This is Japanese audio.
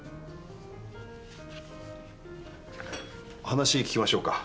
話聞きましょうか。